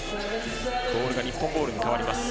ボールが日本ボールに変わります。